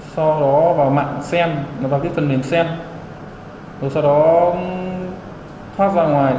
sau đó vào mạng sen sau đó thoát ra ngoài kết nối điện thoại oppo với wifi của máy phát đi nhắn